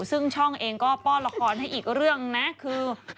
ซึ่งช่องเองก็ป้อนละครให้อีกเรื่องนะคือ